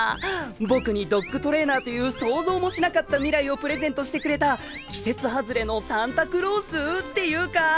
僕にドッグトレーナーという想像もしなかった未来をプレゼントしてくれた季節外れのサンタクロース？っていうかぁ。